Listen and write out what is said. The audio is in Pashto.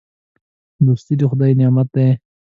دوستي د خدای نعمت دی.